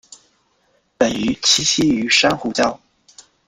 本鱼栖息于珊瑚礁。